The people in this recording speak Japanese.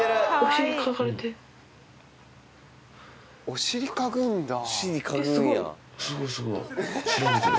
お尻嗅ぐんだ。